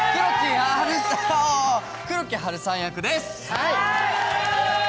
黒木華さん役です！